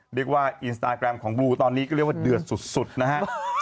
เรียกว่าอินสตาแกรมของบลูตอนนี้ก็เรียกว่าเดือดสุดนะฮะ